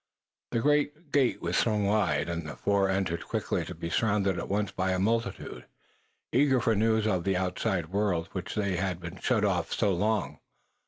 The great gate was thrown wide, and the four entered quickly, to be surrounded at once by a multitude, eager for news of the outside world, from which they had been shut off so long.